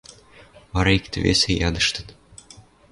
Вара иктӹ-весӹ ядыштыт: